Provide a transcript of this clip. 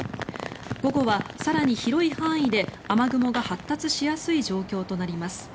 午後は更に広い範囲で雨雲が発達しやすい状況となります。